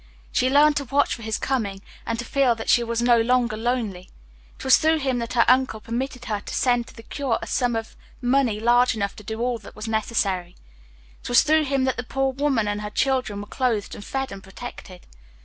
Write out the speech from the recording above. She learned to watch for his coming, and to feel that she was no longer lonely. It was through him that her uncle permitted her to send to the curé a sum of money large enough to do all that was necessary. It was through him that the poor woman and her children were clothed and fed and protected.